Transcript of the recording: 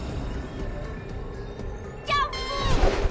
ジャンプ！